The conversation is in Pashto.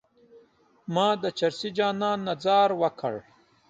ما د چرسي جانان نه ځار وکړ.